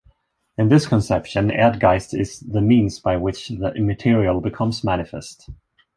In this conception, Erdgeist is the means by which the immaterial becomes manifest.